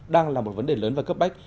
đang là một vấn đề lớn và cấp bách